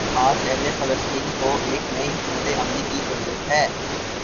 آج اہل فلسطین کو ایک نئی حکمت عملی کی ضرورت ہے۔